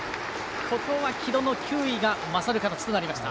ここは城戸の球威が勝る形となりました。